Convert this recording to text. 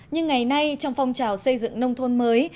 nhưng ngày nay trong phong trào xây dựng nông thôn mới